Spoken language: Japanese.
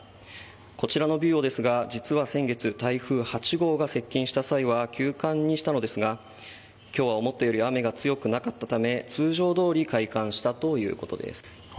こちらの、びゅうおですが実は先月台風８号が接近した際には休館にしたのですが今日は思ったより雨が強くなかったため通常どおり開館したということです。